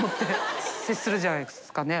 接するんじゃないですかね。